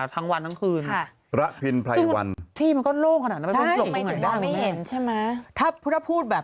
ไม่ไม่รู้ไม่รู้ไม่รู้แต่รับแรก